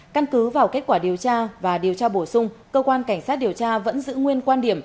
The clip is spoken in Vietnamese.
căn cứ vào kết quả điều tra và điều tra bổ sung cơ quan cảnh sát điều tra vẫn giữ nguyên quan điểm